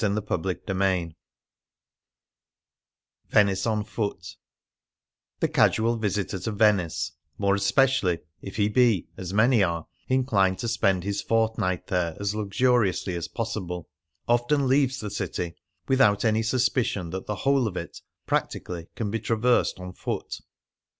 74 CHAPTER IV VENICE ON FOOT THE casual visitor to Venice — more especially if he be (as many are) inclined to spend his fortnight there as luxuriously as possible — often leaves the city without any suspicion that the whole of it, practically, can be traversed on foot.